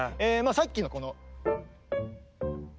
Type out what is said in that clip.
さっきのこの。